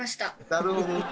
なるほど。